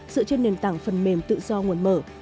dựa trên nền tảng phần mềm tự do nguồn mở